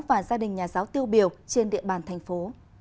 và gia đình nhà giáo tiêu biểu trên địa bàn thành phố